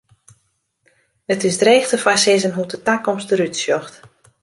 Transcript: It is dreech te foarsizzen hoe't de takomst der út sjocht.